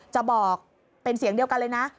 จะบอกเป็นเสียงเดียวกันเลยนะ